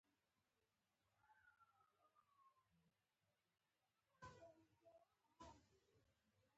پابندي غرونه د افغانستان د جغرافیوي تنوع یو ښه مثال دی.